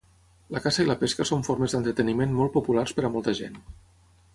La caça i la pesca son formes d"entreteniment molt populars per a molta gent.